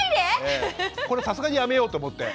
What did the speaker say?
これさすがにやめようと思って。